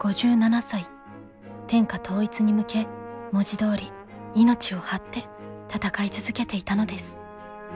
天下統一に向け文字どおり命を張って戦い続けていたのです。